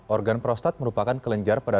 organ prostat merupakan kelenjar pada